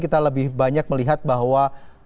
kita lebih banyak melihat bahwa